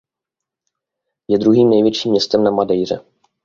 Je druhým největším městem na Madeiře.